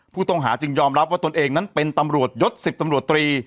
ผู้ต้องหาจึงยอมรับว่าตนเองนั้นเป็นตำรวจยศ๑๐ตำรวจตรี